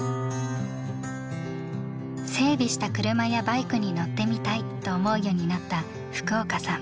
整備した車やバイクに乗ってみたいと思うようになった福岡さん。